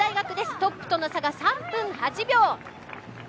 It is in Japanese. トップとの差が３分８秒。